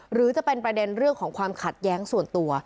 หรือจะเป็นประเด็นเรื่องของความขัดแย้งส่วนตัว